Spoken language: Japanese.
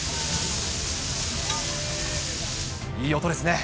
いい音ですね。